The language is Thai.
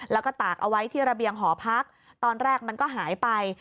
แล้วก็ตากเอาไว้ที่ระเบียงหอพักตอนแรกมันก็หายไป